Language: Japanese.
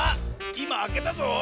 いまあけたぞ！